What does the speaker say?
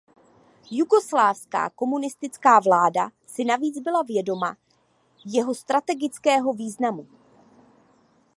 Jugoslávská komunistická vláda si navíc byla vědoma jeho strategického významu.